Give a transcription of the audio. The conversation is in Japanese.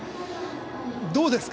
どうですか？